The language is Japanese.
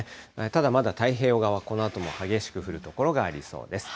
ただまだ太平洋側は、このあとも激しく降る所がありそうです。